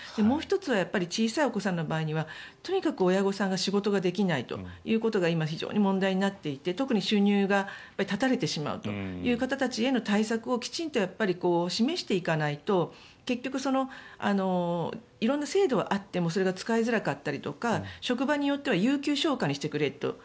もう１つは小さいお子さんの場合には親御さんが仕事ができないということが今、非常に問題になっていて特に収入が絶たれてしまうという方たちへの対策をきちんと示していかないと結局、色んな制度はあってもそれが使いづらかったり職場によっては有休消化にしてくれと。